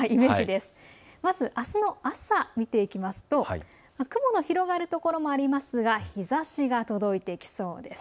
まず、あすの朝、見ていきますと雲の広がる所もありますが日ざしが届いてきそうです。